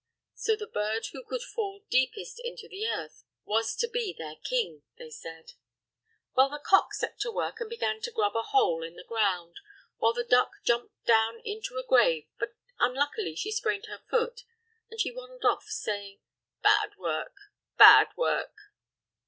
So the bird who could fall deepest into the earth was to be their king, they said. Well, the cock set to work and began to grub a hole in the ground, while the duck jumped down into a grave; but unluckily she sprained her foot, and she waddled off, saying: "Bad work! Bad work!"